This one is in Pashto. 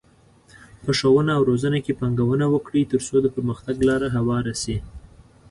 په ښوونه او روزنه کې پانګونه وکړئ، ترڅو د پرمختګ لاره هواره شي.